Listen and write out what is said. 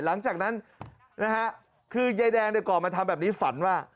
หลังจากนั้นนะฮะคือยายแดงเนี่ยก่อนมาทำแบบนี้ฝันว่า